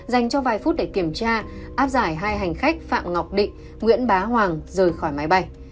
dành cho vài phút để kiểm tra áp giải hai hành khách phạm ngọc định nguyễn bá hoàng rời khỏi máy bay